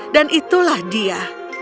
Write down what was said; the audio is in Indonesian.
dan itulah dia